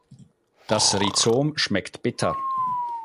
Das Rhizom schmeckt bitter.